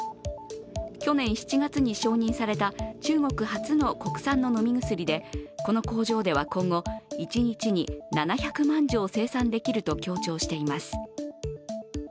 去年７月に承認された中国初の国産の飲み薬でこの工場では今後、一日に７００万錠生産できると強調しています。